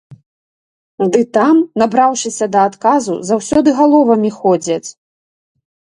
Ды там, набраўшыся да адказу, заўсёды галовамі ходзяць.